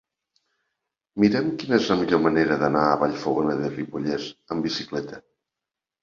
Mira'm quina és la millor manera d'anar a Vallfogona de Ripollès amb bicicleta.